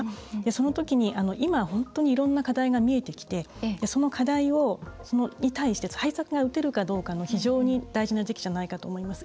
そのときに今、本当にいろんな課題が見えてきてその課題に対して対策が打てるかどうかの非常に大事な時期じゃないかと思います。